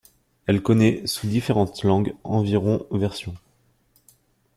Elle connaît, sous différentes langues, environ versions.